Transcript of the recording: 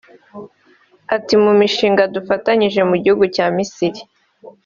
Ati “Mu mishinga dufatanyije n’igihugu cya Misiri